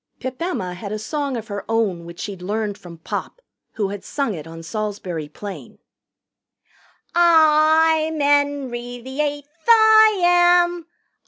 Pip Emma had a song of her own which she'd learned from Pop, who had sung it on Salisbury Plain: "I'm 'Enry the Eighth, I am.